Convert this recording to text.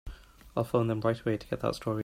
I'll phone them right away to get that story.